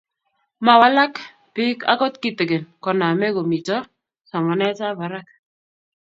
Mawalaka biik akot kitegen koname ko mito somanetab barak